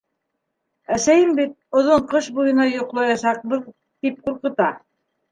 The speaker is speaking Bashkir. Әсәйем бит, оҙон ҡыш буйына йоҡлаясаҡбыҙ, тип ҡурҡыта.